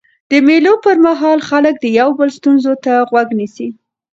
د مېلو پر مهال خلک د یو بل ستونزو ته غوږ نیسي.